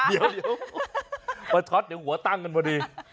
เอาช็อตเดี๋ยวหัวตั้งกันมาดี